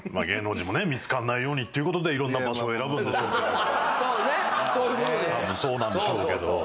芸能人も見つからないようにというところでいろんな場所を選ぶんでしょうけど。